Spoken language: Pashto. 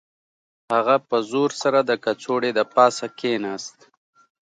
هغه په زور سره د کڅوړې د پاسه کښیناست